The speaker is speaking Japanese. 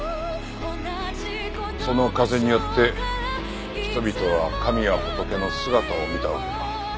その風によって人々は神や仏の姿を見たわけか。